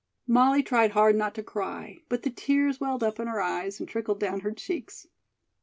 Molly tried hard not to cry, but the tears welled up in her eyes and trickled down her cheeks.